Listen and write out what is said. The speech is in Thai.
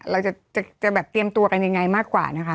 เราจะแบบเตรียมตัวกันยังไงมากกว่านะคะ